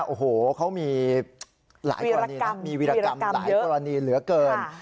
โอ้โหเขามีหลายกรณีนะมีวิรากรรมหลายกรณีเหลือเกิน